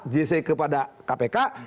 jc kepada kpk